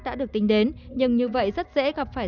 đã được tính đến nhưng như vậy rất dễ gặp phải